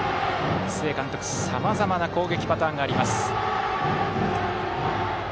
須江監督、さまざまな攻撃パターンがあります。